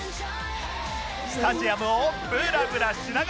スタジアムをブラブラしながら